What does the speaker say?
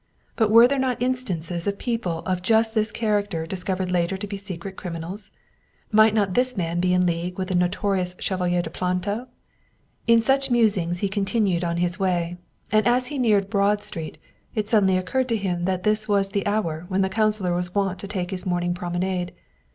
But were there not in stances of people of just this character discovered later to be secret criminals ? Might not this man be in league with the notorious Chevalier de Planto? In such musings he continued on his way, and as he neared Broad Street it suddenly occurred to him that this was the hour when the councilor was wont to take his morning promenade.